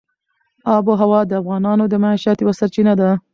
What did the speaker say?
آب وهوا د افغانانو د معیشت یوه سرچینه ده.